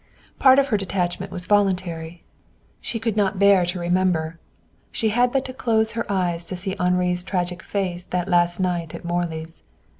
Part of her detachment was voluntary. She could not bear to remember. She had but to close her eyes to see Henri's tragic face that last night at Morley's.